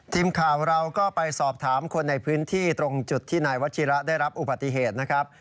ทีมข่าวเราก็ไปสอบถามคนในพื้นที่ตรงจุดที่นายวัชิระได้รับอุบัติเหตุนะครับ